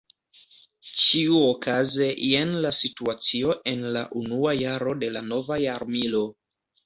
Ĉiuokaze jen la situacio en la unua jaro de la nova jarmilo.